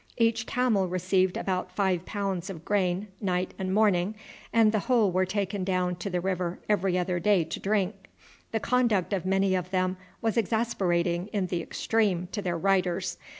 Each camel received about five pounds of grain night and morning, and the whole were taken down to the river every other day to drink. The conduct of many of them was exasperating in the extreme to their riders.